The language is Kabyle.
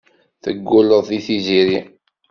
Teggulleḍ deg Tiziri.